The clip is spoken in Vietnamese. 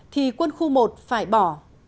thì quân khu một phải bỏ